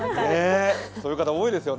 そういう方、多いですよね。